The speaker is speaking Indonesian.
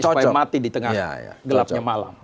supaya mati di tengah gelapnya malam